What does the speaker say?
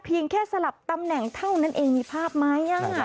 แค่สลับตำแหน่งเท่านั้นเองมีภาพไหม